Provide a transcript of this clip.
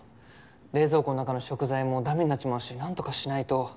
冷蔵庫の中の食材もダメになっちまうしなんとかしないと。